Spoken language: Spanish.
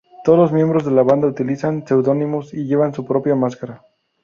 Todos los miembros de la banda utilizan seudónimos y llevan su propia máscara.